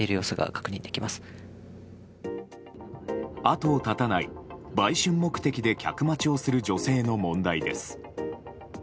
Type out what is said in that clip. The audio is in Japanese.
後を絶たない、売春目的で客待ちをする女性の問題です。